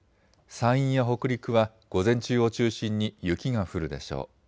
山陰や北陸は午前中を中心に雪が降るでしょう。